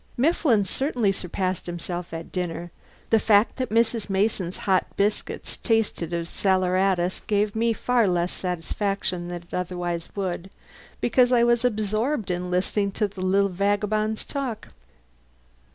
Mifflin certainly surpassed himself at dinner. The fact that Mrs. Mason's hot biscuits tasted of saleratus gave me far less satisfaction than it otherwise would, because I was absorbed in listening to the little vagabond's talk.